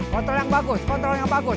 kontrol yang bagus kontrol yang bagus